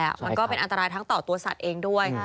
มันก็เป็นอันตรายทั้งต่อตัวสัตว์เองด้วย